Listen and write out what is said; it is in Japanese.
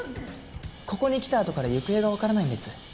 ここに来たあとから行方がわからないんです。